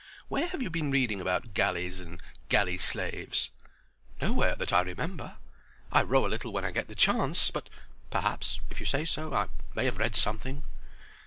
Where have you been reading about galleys and galley slaves?" "Nowhere that I remember. I row a little when I get the chance. But, perhaps, if you say so, I may have read something."